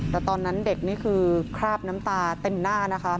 แต่ตอนนั้นเด็กนี่คือคราบน้ำตาเต็มหน้านะคะ